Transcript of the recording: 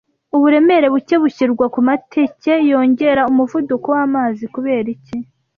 Uburemere buke bushyirwa kumateke Yongera umuvuduko wamazi Kubera iki